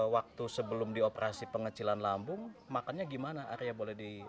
waktu sebelum dioperasi pengecilan lambung makannya gimana arya